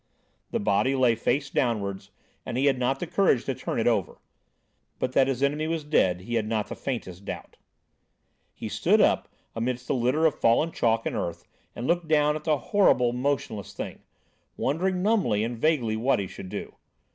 The body lay face downwards, and he had not the courage to turn it over; but that his enemy was dead he had not the faintest doubt. He stood up amidst the litter of fallen chalk and earth and looked down at the horrible, motionless thing, wondering numbly and vaguely what he should do.